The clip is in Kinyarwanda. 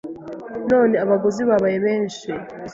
none abaguzi babaye benshi